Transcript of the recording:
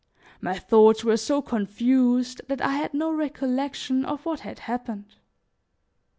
My thoughts were so confused that I had no recollection of what had happened.